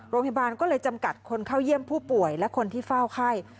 โรงพยาบาลก็เลยจำกัดคนเข้าเยี่ยมผู้ป่วยและคนที่เฝ้าไข้